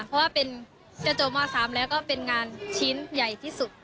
เพราะว่าเป็นจะจบม๓แล้วก็เป็นงานชิ้นใหญ่ที่สุด